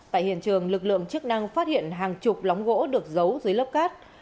tại hiện trường lực lượng chức năng phát hiện hàng chục lóng gỗ được giấu dưới lớp cát